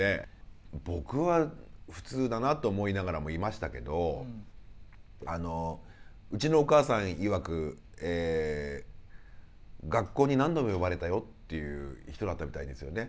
僕は普通だなと思いながらもいましたけどうちのお母さんいわく学校に何度も呼ばれたよっていう人だったみたいですよね。